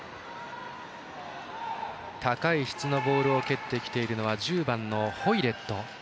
高い質のボールを蹴ってきているのは１０番のホイレット。